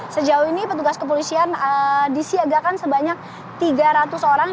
sejauh ini petugas kepolisian disiagakan sebanyak tiga ratus orang